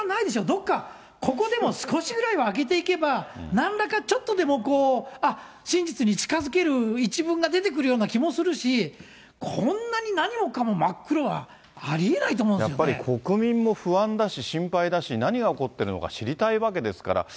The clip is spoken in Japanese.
どっかここでも少しぐらいは開けていけば、なんらかちょっとでもこう、あっ、真実に近づける一文が出てくるような気もするし、こんなに何もかも真っ黒は、やっぱり国民も不安だし、心配だし、何が起こってるのか知りたいわけですから。